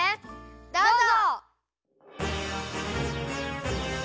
どうぞ！